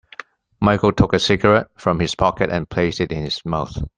Michael took a cigarette from his pocket and placed it in his mouth.